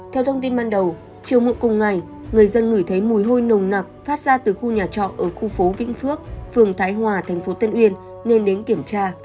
theo thông tin ban đầu chiều muộn cùng ngày người dân ngửi thấy mùi hôi nồng nặc phát ra từ khu nhà trọ ở khu phố vĩnh phước phường thái hòa thành phố tân uyên nên đến kiểm tra